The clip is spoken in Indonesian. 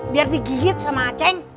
biar digigit sama aceh